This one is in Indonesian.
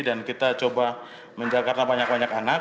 dan kita coba menjaga banyak banyak anak